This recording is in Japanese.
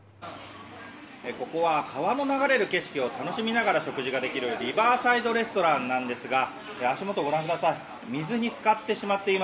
ここは川の流れる景色を楽しみながら食事ができるリバーサイドレストランなんですが足元をご覧ください。